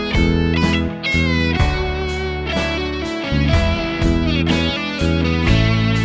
สวัสดีสวัสดีสวัสดี